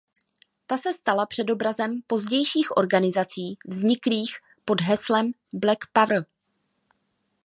Ta se stala předobrazem pozdějších organizací vzniklých pod heslem Black Power.